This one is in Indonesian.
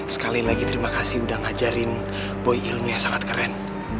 sekali lagi terima kasih udah ngajarin boy ilmiah sangat keren